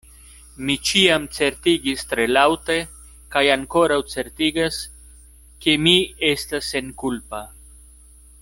Mi ĉiam certigis tre laŭte kaj ankoraŭ certigas, ke mi estas senkulpa.